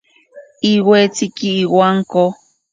Iwetsiki iwanko.